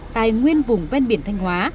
tài nguyên vùng ven biển thanh hóa